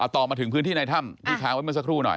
ต่อมาถึงพื้นที่ในถ้ำนี่ทางไว้กันซะครูหน่อย